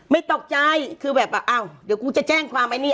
ไม่ตกใจคือแบบว่าอ้าวเดี๋ยวกูจะแจ้งความไอ้นี่